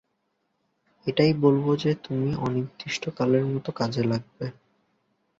এটাই বলব যে তুমি অনির্দিষ্টকালের মতো কাজে লাগবে।